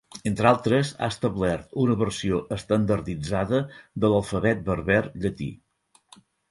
Entre altres, ha establert una versió estandarditzada de l'Alfabet berber llatí.